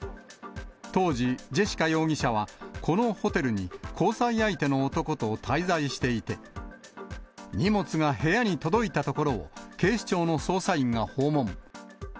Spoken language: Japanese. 当時、ジェシカ容疑者は、このホテルに交際相手の男と滞在していて、荷物が部屋に届いたところを、警視庁の捜査員が訪問。